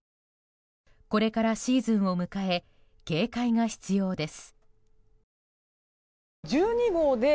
これからシーズンを迎え警戒が必要です。